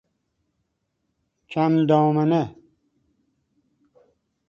کم دامنه